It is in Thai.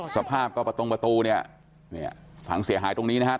สภาพก็ตรงประตูฝังเสียหายตรงนี้นะครับ